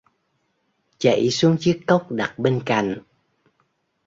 Chảy xuống chiếc cốc đặt bên cạnh